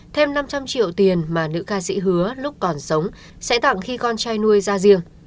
thêm năm trăm linh triệu tiền mà nữ ca sĩ hứa lúc còn sống sẽ tặng khi con trai nuôi ra riêng